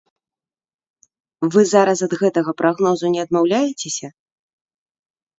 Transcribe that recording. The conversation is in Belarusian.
Вы зараз ад гэтага прагнозу не адмаўляецеся?